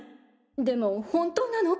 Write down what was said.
でも本当なの？